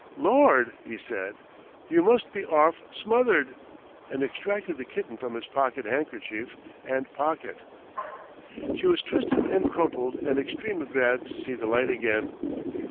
"Lord!" he said, "You must be 'arf smothered," and extracted the kitten from his pocket handkerchief and pocket. She was twisted and crumpled and extremely glad to see the light again.